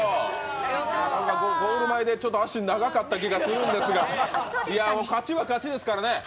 ゴール前で足、長かった気がするんですが勝ちは勝ちですからね。